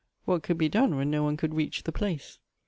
What could be done when no one could reach the place